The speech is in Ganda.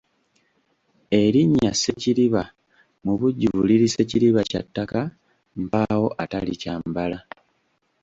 Erinnya Ssekiriba mu bujjuvu liri Ssekiriba kya ttaka mpaawo atalikyambala.